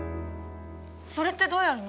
それってどうやるの？